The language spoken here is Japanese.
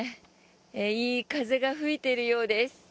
いい風が吹いているようです。